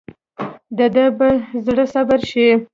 دده به زړه صبر شي.